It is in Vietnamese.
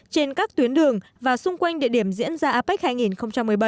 trên các tuyến đường và xung quanh địa điểm diễn ra apec hai nghìn một mươi bảy